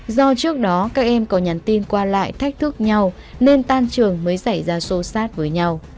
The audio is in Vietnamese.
do trước đó các em có nhắn tin qua lại thách thức nhau nên tan trường mới xảy ra sô sát với nhau